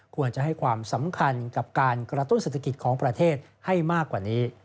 ควรจะให้ความสำคัญกับการกระตุ้นเศรษฐกิจของประเทศให้มากกว่านี้